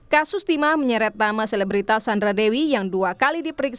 kasus timah menyeret nama selebritas sandra dewi yang dua kali diperiksa